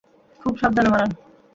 খুব সাবধানে মারান।